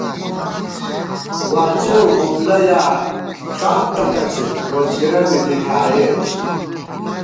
واڅېؤ، اُملہ یا ݭام ٹکَڅِت، روڅگِرَنےدی کھائیت